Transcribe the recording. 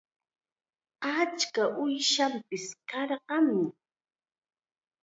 Achka uushanpis karqanmi.